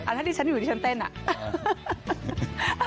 อันนี้ฉันอยู่ที่ฉันเต้นอ่ะ